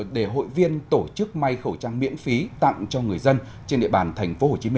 để hội viên tổ chức may khẩu trang miễn phí tặng cho người dân trên địa bàn tp hcm